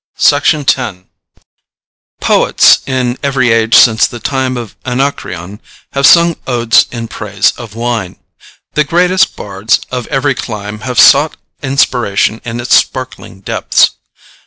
W. DEFOREST. BEER. Poets, in every age since the time of Anacreon, have sung odes in praise of wine. The greatest bards of every clime have sought inspiration in its sparkling depths.